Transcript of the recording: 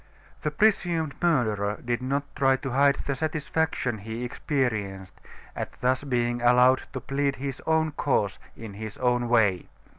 The presumed murderer did not try to hide the satisfaction he experienced at thus being allowed to plead his own cause, in his own way.